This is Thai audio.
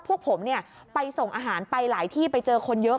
พวกผมไปส่งอาหารไปหลายที่ไปเจอคนเยอะ